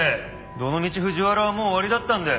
どのみち藤原はもう終わりだったんだよ。